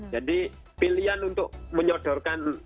jadi pilihan untuk menyodorkan